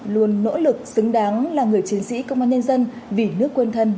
luôn nỗ lực xứng đáng là người chiến sĩ công an nhân dân vì nước quên thân